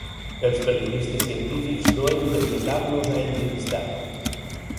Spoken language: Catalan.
Els periodistes científics no hem de limitar-nos a entrevistar.